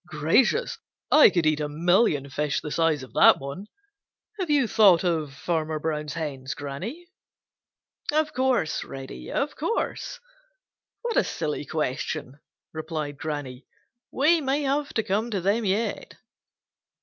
Gracious, I could eat a million fish the size of that one! Have you thought of Fanner Brown's hens, Granny?" "Of course, Reddy! Of course! What a silly question!" replied Granny. "We may have to come to them yet."